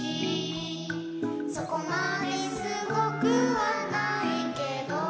「そこまですごくはないけど」